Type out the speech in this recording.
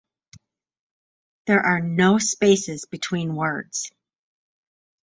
There are no spaces between words.